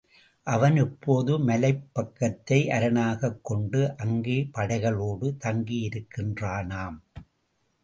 அவன் இப்போது மலைப்பக்கத்தை அரணாகக் கொண்டு அங்கே படைகளோடு தங்கியிருக்கின்றானாம்.